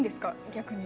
逆に。